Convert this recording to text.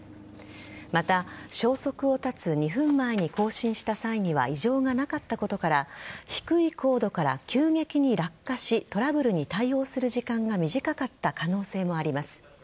また、消息を絶つ２分前に交信した際には異常がなかったことから低い高度から急激に落下しトラブルに対応する時間が短かった可能性もあります。